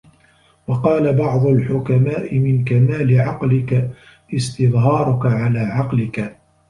وَقَالَ بَعْضُ الْحُكَمَاءِ مِنْ كَمَالِ عَقْلِك اسْتِظْهَارُك عَلَى عَقْلِك